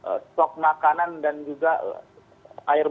mereka akan fokus pada bantuan medis dan juga air berdua